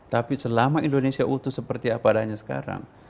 tapi selama indonesia utuh seperti apa adanya sekarang